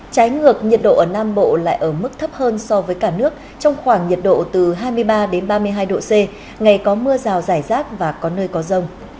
trái ngược nhiệt độ ở nam bộ lại ở mức thấp hơn so với cả nước trong khoảng nhiệt độ từ hai mươi ba đến ba mươi hai độ c ngày có mưa rào rải rác và có nơi có rông